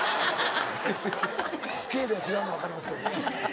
スケールが違うのは分かりますけどね。